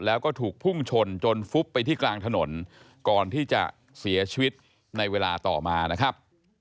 แล้วก็ถูกพุ่งชนจนฟุบไปที่กลางถนนก่อนที่จะเสียชีวิตในเวลาต่อมานะครับ